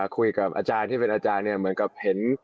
คุยกับอาจารย์ที่เป็นอาจารย์เนี่ยเหมือนกับเห็น